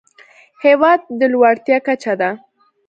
هېواد د لوړتيا کچه ده.